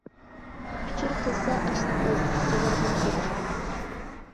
ئۇچۇر قىلسا ئاشنا قىز، جاۋابىنى بېرىمەن.